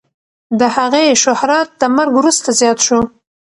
د هغې شهرت د مرګ وروسته زیات شو.